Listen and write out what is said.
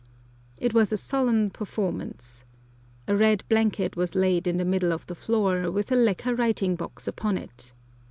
It was a solemn performance. A red blanket was laid in the middle of the floor, with a lacquer writing box upon it.